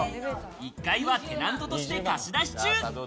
１階はテナントとして貸し出し中。